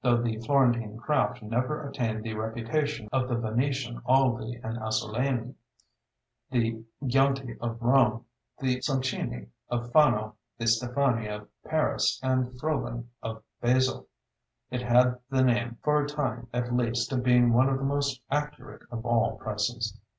Though the Florentine craft never attained the reputation of the Venetian Aldi and Asolani, the Giunti of Rome, the Soncini of Fano, the Stephani of Paris, and Froben of Basel, it had the name, for a time at least, of being one of the most accurate of all presses.